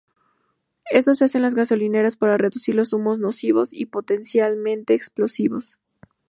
Esto se hace en las gasolineras, para reducir los humos nocivos y potencialmente explosivos.